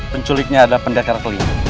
penculiknya adalah pendekar kelima